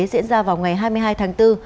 diễn ra vào ngày hai mươi hai tháng bốn